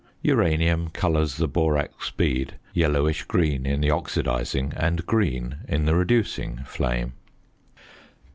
Uranium colours the borax bead yellowish green in the oxidising, and green in the reducing, flame.